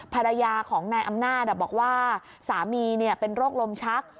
ภรรยาของนายอำนาจบอกว่าสามีเป็นโรคลมชัก